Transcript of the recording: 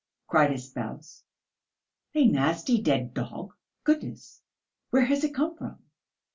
cried his spouse; "a nasty dead dog! Goodness! where has it come from?...